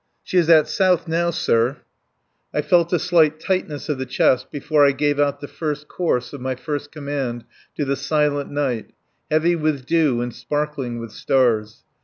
"She is at south now, sir." I felt a slight tightness of the chest before I gave out the first course of my first command to the silent night, heavy with dew and sparkling with stars.